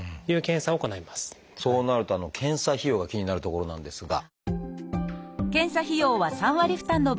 そうなると検査費用が気になるところなんですが。